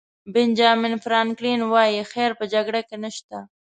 بنجامین فرانکلن وایي خیر په جګړه کې نشته.